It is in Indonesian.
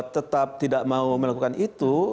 tetap tidak mau melakukan itu